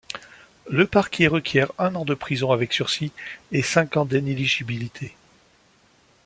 Le parquet requiert un an de prison avec sursis et cinq ans d’inéligibilité.